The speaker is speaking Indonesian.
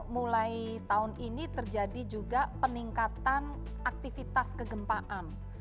mulai tahun ini terjadi juga peningkatan aktivitas kegempaan